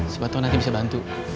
sebentar nanti bisa bantu